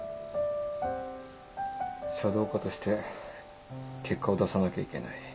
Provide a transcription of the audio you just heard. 書道家として結果を出さなきゃいけない。